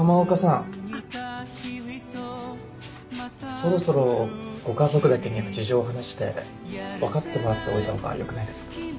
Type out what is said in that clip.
そろそろご家族だけには事情を話して分かってもらっておいた方がよくないですか？